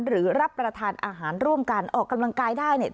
รับประทานอาหารร่วมกันออกกำลังกายได้เนี่ย